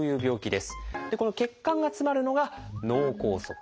この血管が詰まるのが「脳梗塞」。